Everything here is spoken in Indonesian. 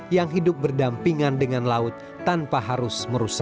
yang hidup berdampingan dengan laut tanpa harus merusak